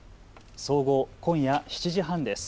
総合、今夜７時半です。